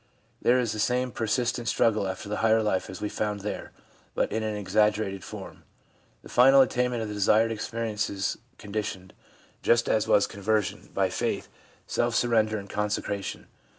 There is the same persistent struggle after the higher life as we found there, but in an exaggerated form. The final attainment of the desired experience is con ditioned, just as was conversion, by faith, self surrender and consecration.